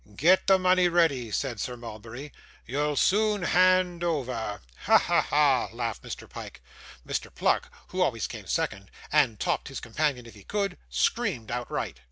'Get the money ready,' said Sir Mulberry; 'you'll soon hand over.' 'Ha, ha, ha!' laughed Mr. Pyke. Mr. Pluck, who always came second, and topped his companion if he could, screamed outright.